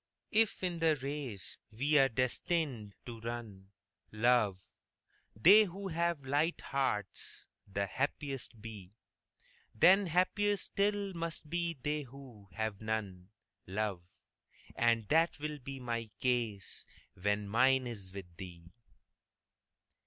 If in the race we are destined to run, love, They who have light hearts the happiest be, Then happier still must be they who have none, love. And that will be my case when mine is with thee.